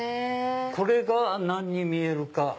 これが何に見えるか。